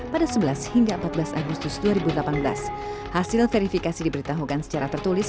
pada sebelas hingga empat belas agustus dua ribu delapan belas hasil verifikasi diberitahukan secara tertulis